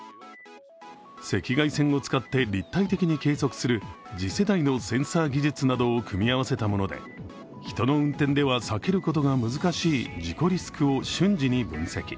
赤外線を使って立体的に計測する次世代のセンサー技術などを組み合わせたもので人の運転では避けることが難しい事故リスクを瞬時に分析。